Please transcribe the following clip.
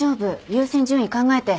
優先順位考えて。